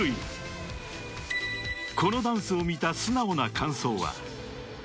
［このダンスを見た素直な感想は］